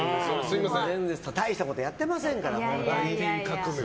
全然大したことやってませんから。